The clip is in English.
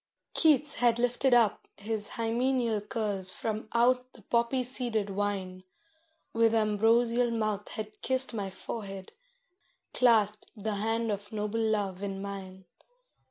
Keats had lifted up his hymeneal curls from out the poppy seeded wine, With ambrosial mouth had kissed my forehead, clasped the hand of noble love in mine.